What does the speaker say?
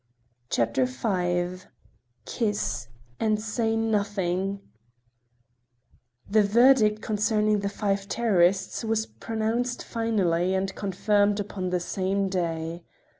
CHAPTER V KISS—AND SAY NOTHING The verdict concerning the five terrorists was pronounced finally and confirmed upon the same day.